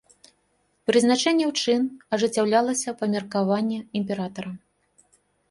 Прызначэнне ў чын ажыццяўлялася па меркаванні імператара.